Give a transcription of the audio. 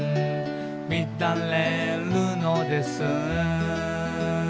「みだれるのです」